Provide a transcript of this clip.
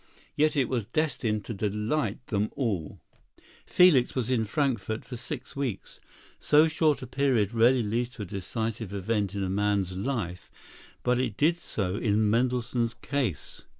Yet it was destined to delight them all. Felix was in Frankfort six weeks. So short a period rarely leads to a decisive event in a man's life, but did so in Mendelssohn's case.